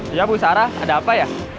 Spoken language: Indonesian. ya bu sarah ada apa ya